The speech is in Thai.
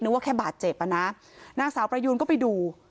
ว่าแค่บาดเจ็บอ่ะนะนางสาวประยูนก็ไปดู